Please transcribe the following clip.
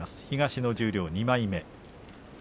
東の十両２枚目。